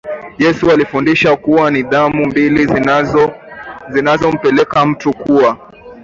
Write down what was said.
Yesu alifundisha kuhusu nidhamu mbili zinazompelekea mtu kuwa